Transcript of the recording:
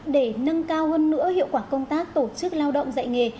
để nâng cao hơn nữa hiệu quả công tác tổ chức lao động dạy nghề